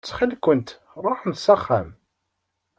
Ttxil-kent ruḥemt s axxam.